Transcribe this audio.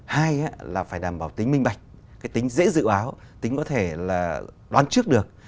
hai là phải đảm bảo tính minh bạch tính dễ dự áo tính có thể là đoán trước được